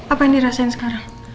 apa yang dirasain sekarang